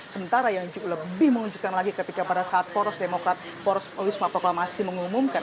sementara yang lebih mengejutkan lagi ketika pada saat poros demokrat poros wisma proklamasi mengumumkan